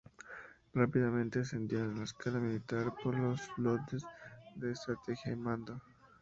Rápidamente ascendió en escala militar por sus dotes de estrategia y mando.